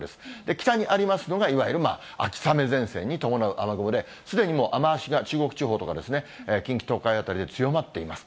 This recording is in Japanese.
北にありますのが、いわゆる秋雨前線に伴う雨雲で、すでにもう雨足が中国地方とか近畿、東海辺りで強まっています。